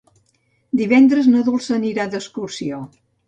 Divendres na Dolça anirà d'excursió.